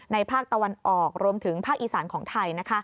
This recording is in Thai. ภาคตะวันออกรวมถึงภาคอีสานของไทย